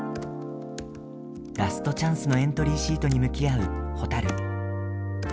ラストチャンスのエントリーシートに向き合うほたる。